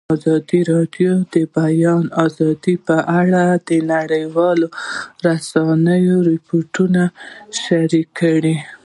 ازادي راډیو د د بیان آزادي په اړه د نړیوالو رسنیو راپورونه شریک کړي.